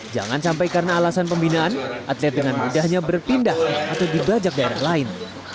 jangan sampai karena alasan pembinaan atlet dengan mudahnya berpindah atau dibajak daerah lain